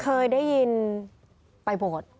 เคยได้ยินปะบด